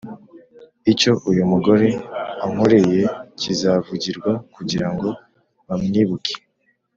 icyo uyu mugore ankoreye kizavugirwa kugira ngo bamwibuke